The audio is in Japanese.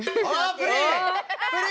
プリン！